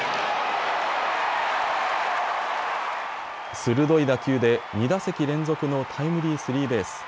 鋭い打球で２打席連続のタイムリースリーベース。